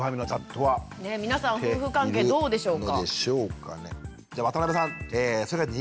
皆さん夫婦関係どうでしょうか。